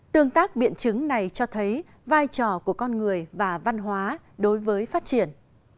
tương tác biện chứng này cho thấy vai trò của con người và văn hóa đối với phát triển